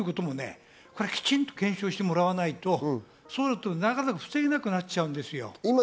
これはきちんと検証してもらわないとなかなか防げなくなっちゃうんですよ。